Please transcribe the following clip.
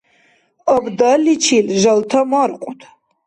Абдалличил жалта маркьуд.